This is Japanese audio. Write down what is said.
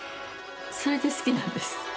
それで好きなんです。